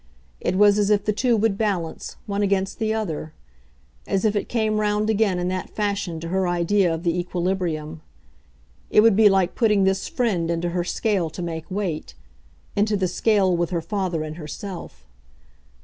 It was as if the two would balance, one against the other; as if it came round again in that fashion to her idea of the equilibrium. It would be like putting this friend into her scale to make weight into the scale with her father and herself.